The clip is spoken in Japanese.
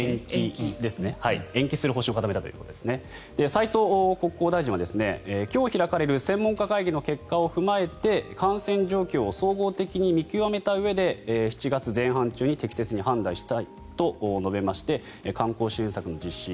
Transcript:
斉藤国交大臣は、今日開かれる専門家会議の結果を踏まえて感染状況を総合的に見極めたうえで７月前半中に適切に判断したいと述べまして観光支援策の実施